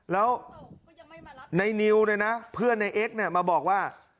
แล้วในมีลเพื่อนเอกมาบอกว่า